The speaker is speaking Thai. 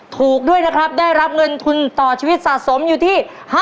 ถูกด้วยนะครับได้รับเงินทุนต่อชีวิตสะสมอยู่ที่